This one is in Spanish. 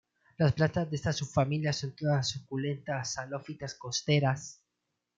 Las plantas de esta subfamilia son todas suculentas, halófitas costeras.